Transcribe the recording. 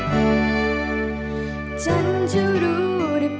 ว่าฉันเหงาการกว่าใคร